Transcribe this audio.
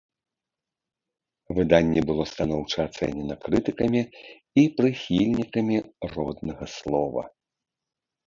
Выданне была станоўча ацэнена крытыкамі і прыхільнікамі роднага слова.